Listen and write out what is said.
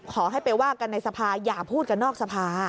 ขอให้ไปว่ากันในสภาอย่าพูดกันนอกสภา